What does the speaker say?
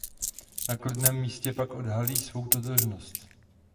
Na klidném místě pak odhalí svou totožnost.